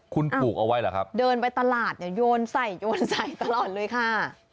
คุณปลูกเอาไว้เหรอครับอ้าวเดินไปตลาดโยนใส่ตลอดเลยค่ะ